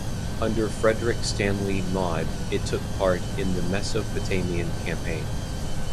Under Frederick Stanley Maude it took part in the Mesopotamian campaign.